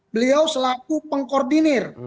beliau selaku pengkoordinir